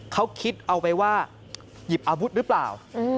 เขาคิดเอาไปว่าหยิบอาวุธหรือเปล่า